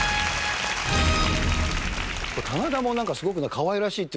これ棚田もなんかすごくかわいらしいっていうか